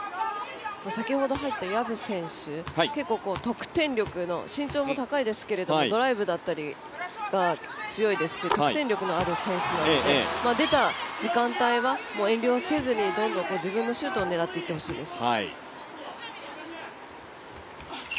先ほど入った薮選手得点力ドライブだったりが強いですし得点力のある選手なので出た時間帯は、遠慮せずにどんどん自分のシュートを狙っていってほしいです。